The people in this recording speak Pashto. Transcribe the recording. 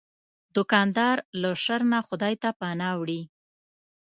دوکاندار له شر نه خدای ته پناه وړي.